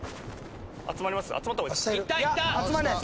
集まります？